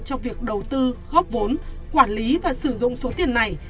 cho việc đầu tư góp vốn quản lý và sử dụng số tiền này